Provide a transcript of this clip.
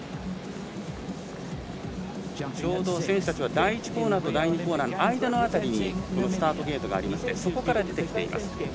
ちょうど選手たちは第１コーナーと第２コーナーの間辺りにスタートゲートがありましてそこから出てきています。